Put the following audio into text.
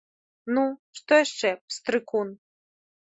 Ну, што яшчэ, пстрыкун?